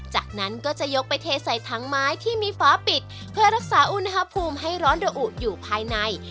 จากนั้นก็จะยกไปเทใส่ถังไม้ที่มีฟ้าปิดเพื่อรักษาอุณหภูมิให้ร้อนระอุอยู่ภายใน